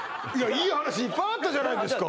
いい話いっぱいあったじゃないですか